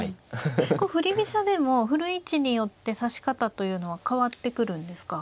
振り飛車でも振る位置によって指し方というのは変わってくるんですか。